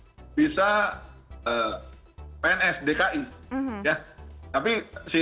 tapi si kesaksian ini saya hubungi para penyelamatnya untuk saya mintakan keterangannya langsung